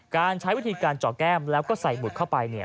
ใช้วิธีการเจาะแก้มแล้วก็ใส่หมุดเข้าไป